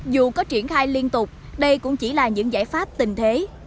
dù có triển khai liên tục đây cũng chỉ là những giải pháp tình thế